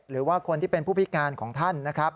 หรือว่าคนที่เป็นผู้พิการของท่านนะครับ